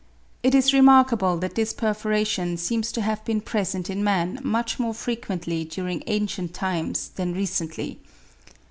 It is remarkable that this perforation seems to have been present in man much more frequently during ancient times than recently.